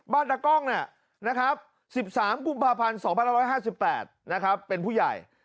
บ้านตากล้อง๑๓คุมภาพันธ์๒๕๕๘เป็นผู้ใหญ่